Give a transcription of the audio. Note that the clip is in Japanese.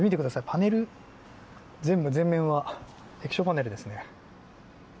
パネル、全面は液晶パネルですね。